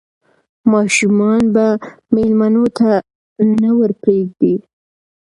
ماشومان به مېلمنو ته نه ور پرېږدي.